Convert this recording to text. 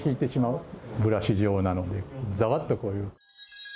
ブラシ状なのでざわっとこういう。